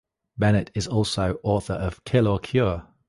Bennett is also author of Kill or Cure?